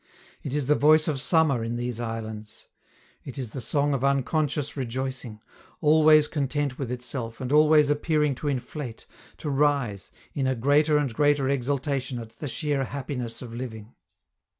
It is the voice of summer in these islands; it is the song of unconscious rejoicing, always content with itself and always appearing to inflate, to rise, in a greater and greater exultation at the sheer happiness of living.